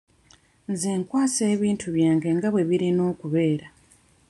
Nze nkwasa ebintu byange nga bwe birina okubeera.